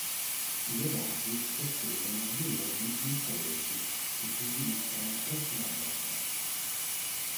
I lobati possiedono due lobi muscolosi che si sviluppano oltre la bocca.